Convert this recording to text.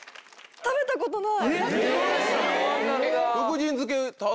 食べたことない。